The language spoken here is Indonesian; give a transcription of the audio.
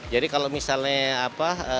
jadi kalau misalnya apa